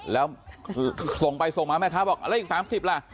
แล้วส่งไปส่งมาแม่ค้าบอกแล้วอีก๓๐ล่ะ